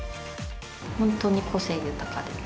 本当に個性豊かで。